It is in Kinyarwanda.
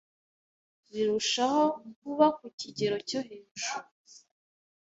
birushaho kuba ku kigero cyo hejuru.